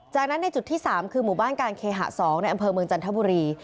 จากนั้นในจุดที่๓คือหมู่บ้านการเคหะ๒ในอำเภอเมืองจันทบุรี